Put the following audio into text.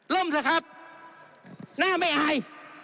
ล้มซะครับหน้าไม่อาย